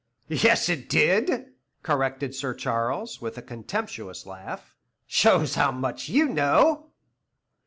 "Yes, it did," corrected Sir Charles, with a contemptuous laugh; "shows how much you know."